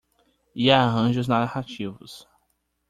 E arranjos narrativos